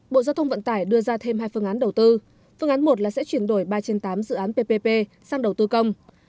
bộ giao thông vận tải đưa ra thêm hai phương án đầu tư phương án một là sẽ chuyển đổi ba trên tám dự án ppp sang đầu tư công